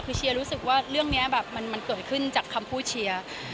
คือเชียร์รู้สึกว่าเรื่องนี้แบบมันเกิดขึ้นจากคำพูดเชียร์